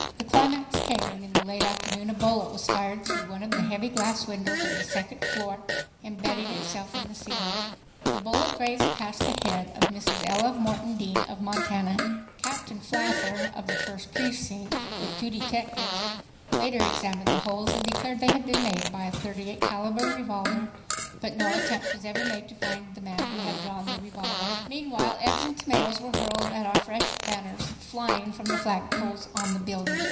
The climax came when in the late afternoon a bullet was fired through one of the heavy glass windows of the second floor, embedding itself in the ceiling. The bullet grazed past the head of Mrs. Ella Morton Dean of Montana. Captain Flather of the 1st Precinct, with two detectives, later examined the holes and declared they had been made by a 38 caliber revolver, but no attempt was ever made to find the man who had drawn the revolver. Meanwhile eggs and tomatoes were hurled at our fresh banners flying from the flag poles on the building.